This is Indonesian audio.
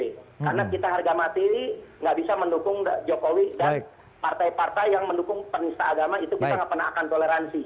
karena kita harga mati ini nggak bisa mendukung jokowi dan partai partai yang mendukung penista agama itu bisa nggak pernah akan toleransi